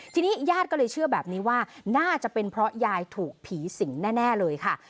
ทีนี้ญาติก็เลยเชื่อแบบนี้ว่าน่าจะเป็นเพราะยายถูกผีสิงแน่เลยค่ะ